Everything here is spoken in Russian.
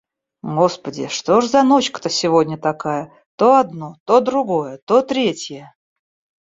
Господи, что ж за ночка-то сегодня такая. То одно, то другое, то третье!